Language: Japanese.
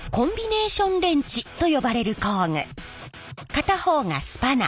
片方がスパナ